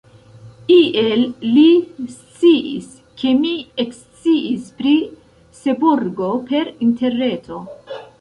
Iel li sciis, ke mi eksciis pri Seborgo per Interreto.